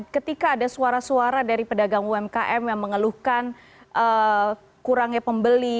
ketika ada suara suara dari pedagang umkm yang mengeluhkan kurangnya pembeli